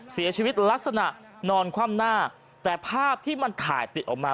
เสียชีวิตลักษณะนอนคว่ำหน้าแต่ภาพที่มันถ่ายติดออกมา